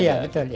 iya betul ya